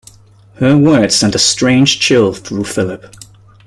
Her words sent a strange chill through Philip.